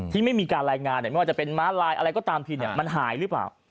ที่ไม่มีการรายงานไม่ว่าจะเป็นม้าลายอะไรก็ตามทีเนี่ยมันหายหรือเปล่า